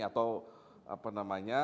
atau apa namanya